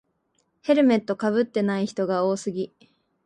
ヘルメットかぶってない人が多すぎ